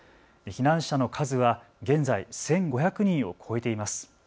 避難者の数は現在、１５００人を超えています。